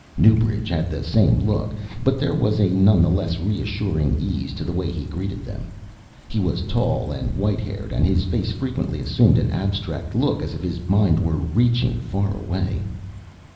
Newbridge had the same look but there was a nonetheless reassuring ease to the way he greeted them. He was tall and white haired and his face frequently assumed an abstracted look as if his mind were reaching far away.